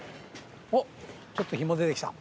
おっちょっと日も出てきた。